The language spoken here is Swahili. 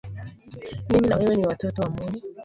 Mimi na wewe ni watoto wa mungu